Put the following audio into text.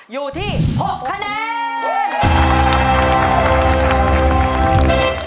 อยู่ที่๖คะแนน